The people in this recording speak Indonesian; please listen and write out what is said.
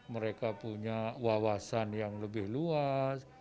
mereka punya wawasan yang lebih luas